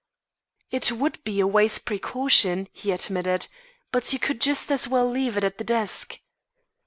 "It would be a wise precaution," he admitted. "But you could just as well leave it at the desk."